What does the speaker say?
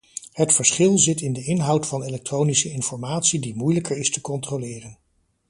Het verschil zit in de inhoud van elektronische informatie die moeilijker is te controleren.